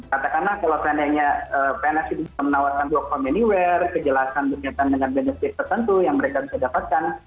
katakanlah kalau pns itu bisa menawarkan dua from anywhere kejelasan kebenaran dengan ganda stik tertentu yang mereka bisa dapatkan